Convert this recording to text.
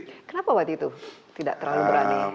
kenapa waktu itu tidak terlalu berani